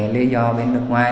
lý do bên nước ngoài